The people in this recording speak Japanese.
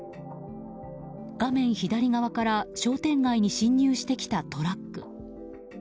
画面左側から商店街に進入してきたトラック。